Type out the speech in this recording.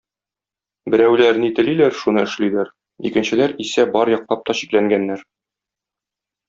Берәүләр ни телиләр шуны эшлиләр, икенчеләр исә бар яклап та чикләнгәннәр.